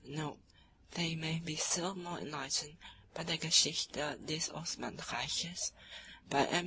* Note: They may be still more enlightened by the Geschichte des Osman Reiches, by M.